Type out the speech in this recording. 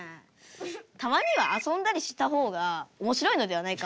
たまにはあそんだりした方がおもしろいのではないか。